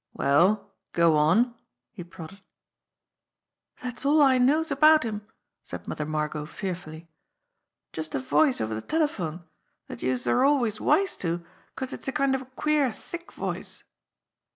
"Well, go on!" he prodded. "Dat's all I knows about him," said Mother Margot fear fully. "Just a voice over de telephone dat youse're always wise to 'cause it's a kind of a queer, thick voice."